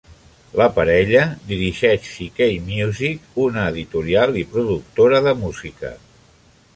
La parella dirigeix CeKay Music, una editorial i productora de música.